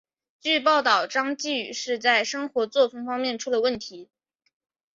据报道张继禹是在生活作风方面出了问题。